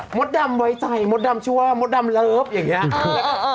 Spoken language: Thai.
หมดดำไว้ใส่หมดดำชั่วหมดดำเลิฟอย่างเงี้ยเออเออเออ